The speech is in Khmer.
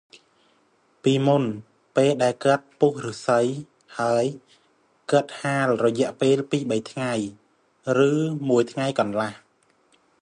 «ពីមុន ពេលដែលគាត់ពុះឫស្សីហើយ គាត់ហាលរយៈពេលពីរទៅបីថ្ងៃ ឬមួយថ្ងៃកន្លះ។